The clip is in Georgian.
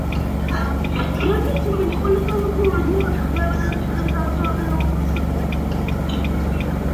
დღემდე ცნობილ ყველა წარმართულ რელიგიაში ღვთაებათა წყვილების აბსოლუტური უმრავლესობა საპირისპირო სქესისანი იყვნენ.